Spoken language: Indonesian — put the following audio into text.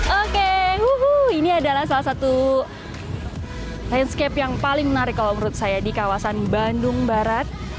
oke wuhu ini adalah salah satu landscape yang paling menarik kalau menurut saya di kawasan bandung barat